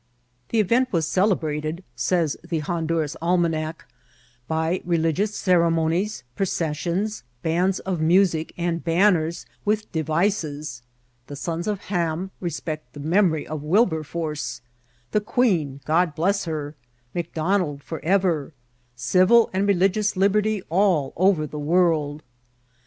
The event was celebrated, says the Honduras Alma nac, by religious ceremonies, processions, bands of music, and banners with devices :'< The sons of Ham respect the memory of Wilberforce ;"" The Queen, God bless her ;"" McDonald forever ;"" Civil and religious liberty all over the world."